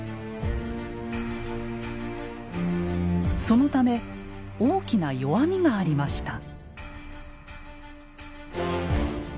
そのため大きな弱みがありました。